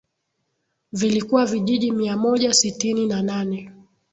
Vilikuwa vijiji mia moja sitini na nane